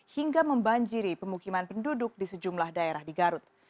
hingga membanjiri pemukiman penduduk di sejumlah daerah di garut